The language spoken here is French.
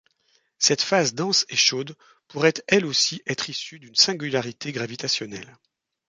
Cette phase dense et chaude pourrait elle aussi être issue d'une singularité gravitationnelle.